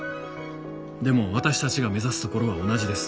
でも私たちが目指すところは同じです。